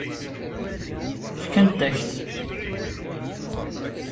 Fkant-ak-t.